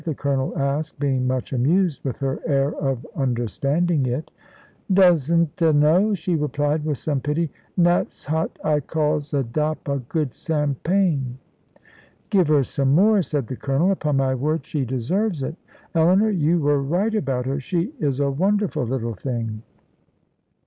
the Colonel asked, being much amused with her air of understanding it. "Doesn't 'a know?" she replied, with some pity; "nat's hot I calls a dop of good Sam Paine." "Give her some more," said the Colonel; "upon my word she deserves it. Eleanor, you were right about her; she is a wonderful little thing."